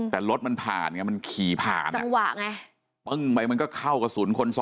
แต่รถมันผ่านแงมาขี่ผ่าน